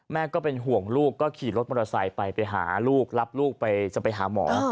ก็เป็นห่วงลูกก็ขี่รถมอเตอร์ไซค์ไปไปหาลูกรับลูกไปจะไปหาหมอ